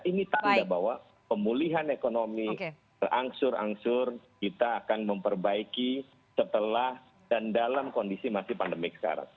ini tanda bahwa pemulihan ekonomi berangsur angsur kita akan memperbaiki setelah dan dalam kondisi masih pandemik sekarang